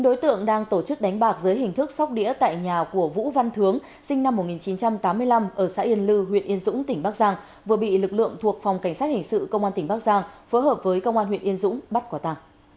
đối tượng đang tổ chức đánh bạc dưới hình thức sóc đĩa tại nhà của vũ văn thướng sinh năm một nghìn chín trăm tám mươi năm ở xã yên lư huyện yên dũng tỉnh bắc giang vừa bị lực lượng thuộc phòng cảnh sát hình sự công an tỉnh bắc giang phối hợp với công an huyện yên dũng bắt quả tàng